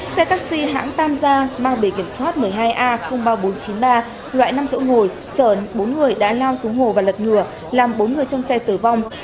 xe taxi hãng tam gia mang bề kiểm soát một mươi hai a ba nghìn bốn trăm chín mươi ba loại năm chỗ ngồi chở bốn người đã lao xuống hồ và lật ngừa làm bốn người trong xe tử vong